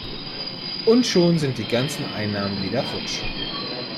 Und schon sind die ganzen Einnahmen wieder futsch!